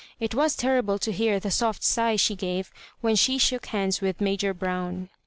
It was terrible to hear the soil sigh she gave when she shook hands with Major Brown.